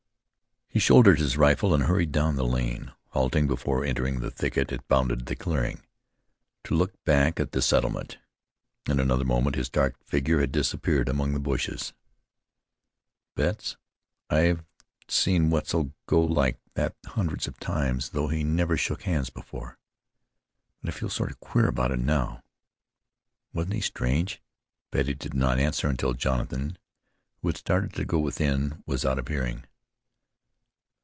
He shouldered his rifle, and hurried down the lane, halting before entering the thicket that bounded the clearing, to look back at the settlement. In another moment his dark figure had disappeared among the bushes. "Betts, I've seen Wetzel go like that hundreds of times, though he never shook hands before; but I feel sort of queer about it now. Wasn't he strange?" Betty did not answer until Jonathan, who had started to go within, was out of hearing.